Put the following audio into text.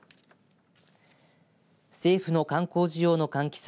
政府の観光需要の喚起策